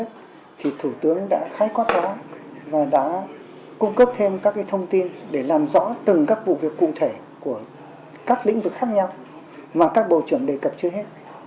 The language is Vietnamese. thủ tướng đã đáp ứng được sự mong đợi kỳ vọng của cử tri và nhân dân